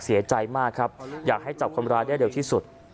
เสียใจมากครับอยากให้จับคนร้ายได้เร็วที่สุด